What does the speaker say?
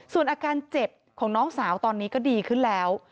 ส่วนอาการเจ็บของน้องสาวตอนนี้ก็ดีขึ้นแล้ว